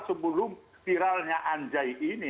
sebelum viralnya anjay ini